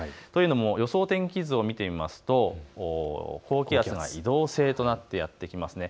予想天気図を見てみますと高気圧、移動性となってやって来ます。